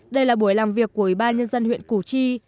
đây là buổi làm việc của ủy ban nhân dân huyện củ chi